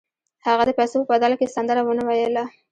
هغه د پیسو په بدل کې سندره ونه ویله